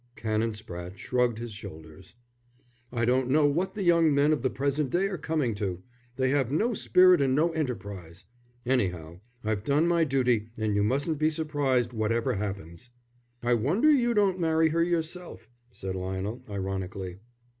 Canon Spratte shrugged his shoulders. "I don't know what the young men of the present day are coming to; they have no spirit and no enterprise. Anyhow, I've done my duty and you mustn't be surprised whatever happens." "I wonder you don't marry her yourself," said Lionel, ironically.